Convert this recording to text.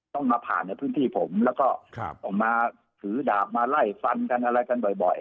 ต้องมาผ่านในพื้นที่ผมแล้วก็ออกมาถือดาบมาไล่ฟันกันอะไรกันบ่อย